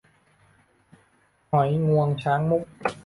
หอยงวงช้างมุก